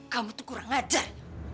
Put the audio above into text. kamu tuh kurang ajar